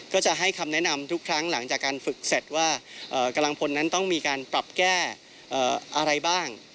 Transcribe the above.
ก็จะให้คำแนะนำทุกครั้งหลังจากการฝึกเสร็จว่ากำลังพลนั้นต้องมีการปรับแก้อะไรบ้าง